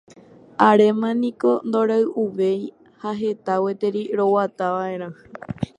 Aréma niko ndoroy'uvéi ha heta gueteri roguatava'erã.